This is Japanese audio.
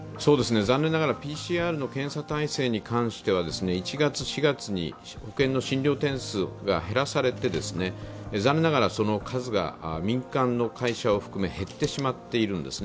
残念ながらＰＣＲ検査の体制については１月、４月に保険の診療点数が減らされて残念ながら、その数が民間の会社を含め減ってしまっているんです。